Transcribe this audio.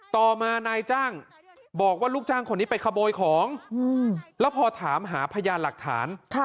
ต่อมานายจ้างบอกว่าลูกจ้างคนนี้ไปขโมยของแล้วพอถามหาพยานหลักฐาน